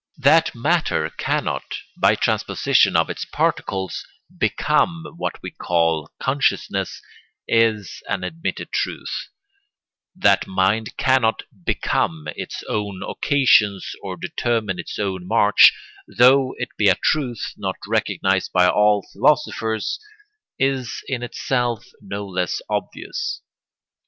That matter cannot, by transposition of its particles, become what we call consciousness, is an admitted truth; that mind cannot become its own occasions or determine its own march, though it be a truth not recognised by all philosophers, is in itself no less obvious.